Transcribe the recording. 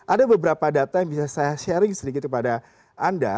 ada beberapa data yang bisa saya sharing sedikit kepada anda